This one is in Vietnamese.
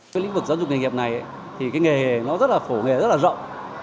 cái lĩnh vực giáo dục nghề nghiệp này thì cái nghề nó rất là phổ nghề rất là rộng